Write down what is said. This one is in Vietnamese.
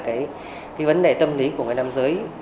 cái vấn đề tâm lý của người nam giới